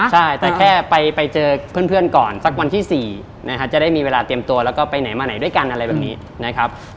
ใช่แต่แค่ไปเจอเพื่อนก่อนสักวันที่๔นะครับจะได้มีเวลาเตรียมตัวแล้วก็ไปไหนมาไหนด้วยกันอะไรแบบนี้นะครับ